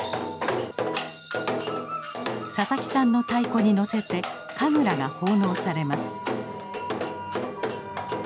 佐々木さんの太鼓にのせて神楽が奉納されます。